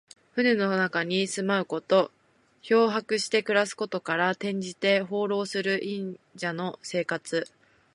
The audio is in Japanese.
船の中に住まうこと。漂泊して暮らすことから、転じて、放浪する隠者の生活。